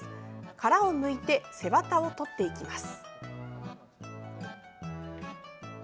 殻をむいて背ワタを取っていきます。